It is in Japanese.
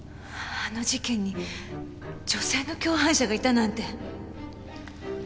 あの事件に女性の共犯者がいたなんて。